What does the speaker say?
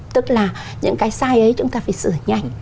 tức là những cái sai ấy chúng ta phải sửa nhanh